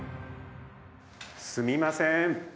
すみません。